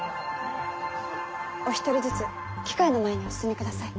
お一人ずつ機械の前にお進みください。